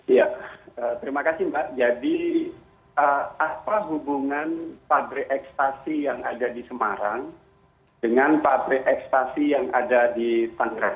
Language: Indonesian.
ya terima kasih mbak jadi apa hubungan pabrik ekstasi yang ada di semarang dengan pabrik ekstasi yang ada di tangerang